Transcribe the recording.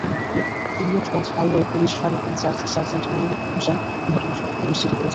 Elliotganj highway police ফাঁড়ির incharge sergeant Monir Hossain ঘটনার সত্যতা নিশ্চিত করেছেন।